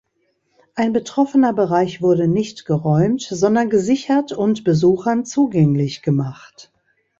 Ein betroffener Bereich wurde nicht geräumt, sondern gesichert und Besuchern zugänglich gemacht.